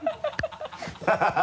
ハハハ